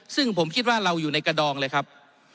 ซึ่งผมคิดว่าเราอยู่ในกระดองเลยครับ